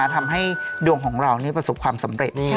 ทำให้ดวงของเราประสบความสำเร็จ